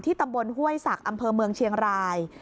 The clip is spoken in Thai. ตำบลห้วยศักดิ์อำเภอเมืองเชียงราย